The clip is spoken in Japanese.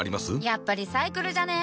やっぱリサイクルじゃね？